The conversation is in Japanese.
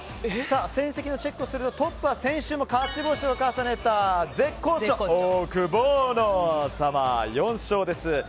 成績のチェックをするとトップは先週も勝利を重ねた絶好調、オオクボーノ様４勝です。